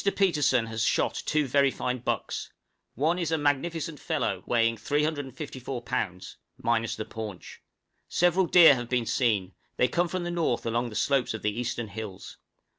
Petersen has shot two very fine bucks; one is a magnificent fellow, weighing 354 lbs. (minus the paunch). Several deer have been seen; they come from the N. along the slopes of the eastern hills.